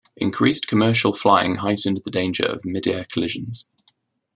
Increased commercial flying heightened the danger of midair collisions.